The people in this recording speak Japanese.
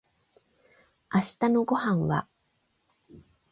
明日のご飯は